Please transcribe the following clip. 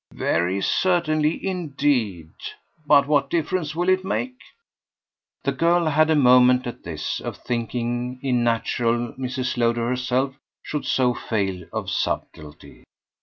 "Very certainly indeed. But what difference will it make?" The girl had a moment, at this, of thinking it natural Mrs. Lowder herself should so fail of subtlety.